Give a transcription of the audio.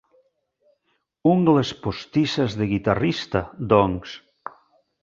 Ungles postisses de guitarrista, doncs.